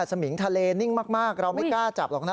สมิงทะเลนิ่งมากเราไม่กล้าจับหรอกนะ